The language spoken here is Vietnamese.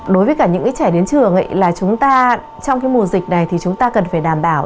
đối với những trẻ đến trường trong mùa dịch này chúng ta cần đảm bảo